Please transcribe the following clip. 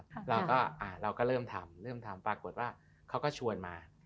เราก็อ่าเราก็เริ่มทำเริ่มทำปรากฏว่าเขาก็ชวนมา